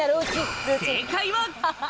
正解は。